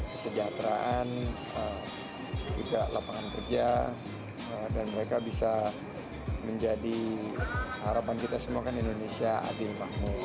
kesejahteraan juga lapangan kerja dan mereka bisa menjadi harapan kita semua kan indonesia adil makmur